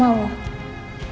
jangan lagi sama lo